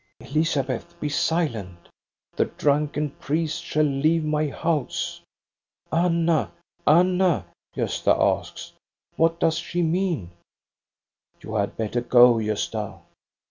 "Elizabeth, be silent!" " The drunken priest shall leave my house !" "Anna, Anna, Gosta asks, "what does she mean }"You had better go, Gosta."